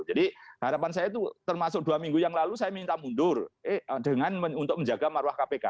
jadi harapan saya itu termasuk dua minggu yang lalu saya minta mundur untuk menjaga maruah kpk